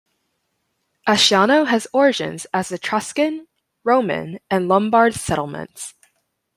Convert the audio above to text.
Asciano has origins as Etruscan, Roman and Lombard settlements.